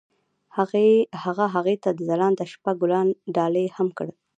هغه هغې ته د ځلانده شپه ګلان ډالۍ هم کړل.